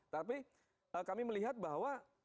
tapi kami melihat bahwa